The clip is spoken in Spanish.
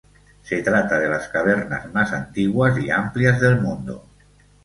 Se trata de las cavernas más antiguas y amplias del mundo.